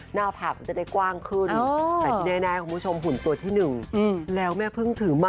หน้าผักก็จะได้กว้างขึ้นอ๋อแต่ที่ในตอนหุ่นตัวที่หนึ่งอืม